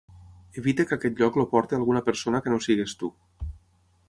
Evita que aquest lloc el porti alguna persona que no siguis tu.